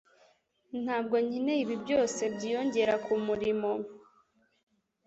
Ntabwo nkeneye ibi byose byiyongera kumurimo